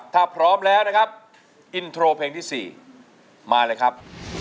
ถ้าพร้อมแล้วนะครับอินโทรเพลงที่๔มาเลยครับ